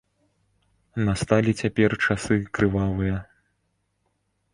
Насталі цяпер часы крывавыя.